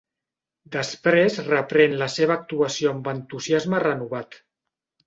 Després reprèn la seva actuació amb entusiasme renovat.